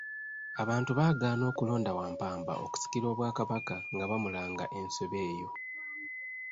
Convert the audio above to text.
Abantu baagaana okulonda Wampamba okusikira Obwakabaka nga bamulanga ensobi eyo.